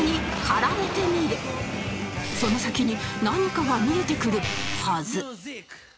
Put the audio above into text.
その先に何かが見えてくるはず